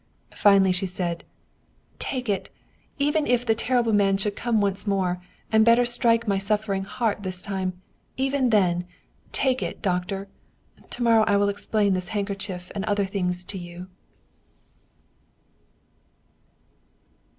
Finally she said :" Take it ! Even if the terrible man should come once more, and better strike my suffering heart this time even then! Take it, doctor. To morrow I will explain this handkerchief and other things to you."